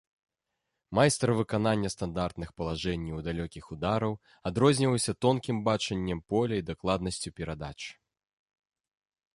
Майстар выканання стандартных палажэнняў і далёкіх удараў, адрозніваўся тонкім бачаннем поля і дакладнасцю перадач.